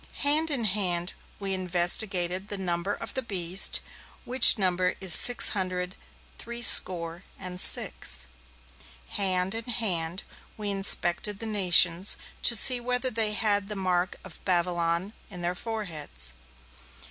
Hand in hand we investigated the number of the Beast, which number is six hundred three score and six. Hand in hand we inspected the nations, to see whether they had the mark of Babylon in their foreheads.